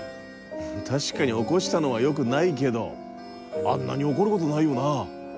確かに起こしたのはよくないけどあんなに怒ることないよな。